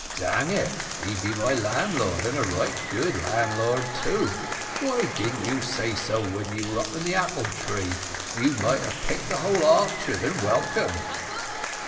"Dang it, he be my landlord, and a right good landlord too why didn't you say so when you were up in the apple tree? You might have picked the whole orchard and welcome."